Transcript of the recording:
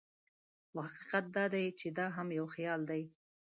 خو حقیقت دا دی چې دا هم یو خیال دی.